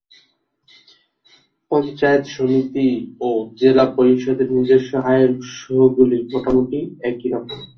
পঞ্চায়েত সমিতি ও জেলা পরিষদের নিজস্ব আয়ের উৎসগুলি মোটামুটি একই রকমের।